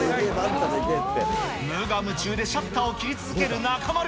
無我夢中でシャッターを切り続ける中丸。